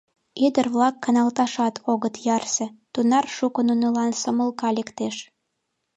Ӱдыр-влак каналташат огыт ярсе, тунар шуко нунылан сомылка лектеш.